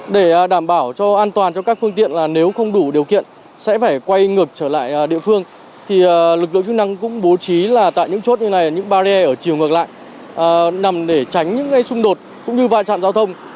để đảm bảo cho an toàn cho các phương tiện là nếu không đủ điều kiện sẽ phải quay ngược trở lại địa phương thì lực lượng chức năng cũng bố trí là tại những chốt như này những barrier ở chiều ngược lại nằm để tránh những ngay xung đột cũng như vai trạm giao thông